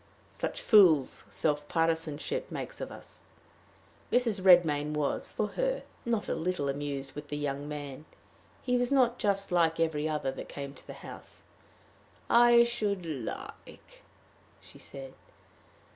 Such fools self partisanship makes of us. Mrs. Redmain was, for her, not a little amused with the young man; he was not just like every other that came to the house. "I should li i ike," she said.